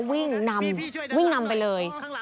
วิ่งนำวิ่งนำไปเลย